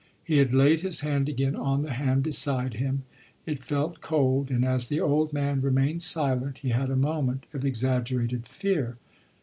He had laid his hand again on the hand beside him; it felt cold, and as the old man remained silent he had a moment of exaggerated fear.